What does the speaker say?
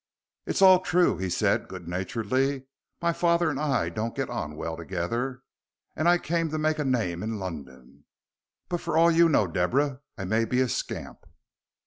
"It's all true," said he, good naturedly; "my father and I don't get on well together, and I came to make a name in London. But for all you know, Deborah, I may be a scamp."